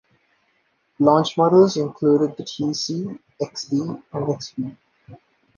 Launch models included the tC, xD, and xB.